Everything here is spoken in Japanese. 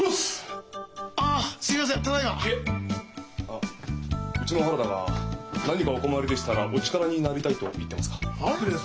あっうちの原田が「何かお困りでしたらお力になりたい」と言ってますが。